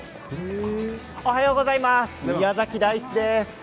おはようございます宮崎大地です。